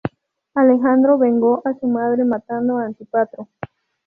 Alejandro vengó a su madre matando a Antípatro.